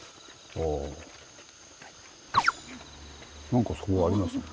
何かそこありますね。